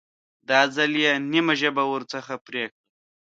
دا ځل یې نیمه ژبه ورڅخه پرې کړه.